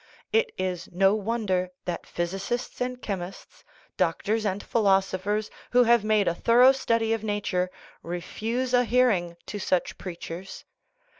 It is no wonder that physicists and chemists, doctors and philosophers, who have made a thorough study of nat ure, refuse a hearing to such preachers.